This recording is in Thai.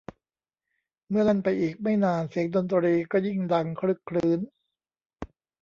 เมื่อแล่นไปอีกไม่นานเสียงดนตรีก็ยิ่งดังครึกครื้น